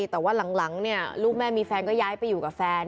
แต่ว่าหลังลูกแม่มีแฟนก็ย้ายไปอยู่กับแฟน